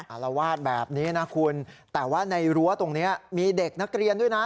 อารวาสแบบนี้นะคุณแต่ว่าในรั้วตรงนี้มีเด็กนักเรียนด้วยนะ